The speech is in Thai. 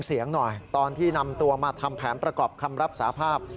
เสียงหน่อยตอนที่นำตัวมาทำแผนประกอบคำรับสาภาพ